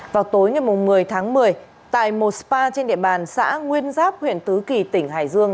vào tối ngày một mươi tháng một mươi tại một spa trên địa bàn xã nguyên giáp huyện tứ kỳ tỉnh hải dương